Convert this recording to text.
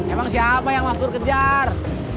emang siapa yang mas nur kejar